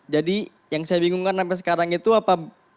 jadi yang saya bingungkan sampai sekarang itu apa